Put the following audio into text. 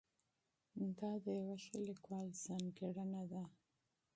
دا د یوه ښه لیکوال ځانګړنه ده.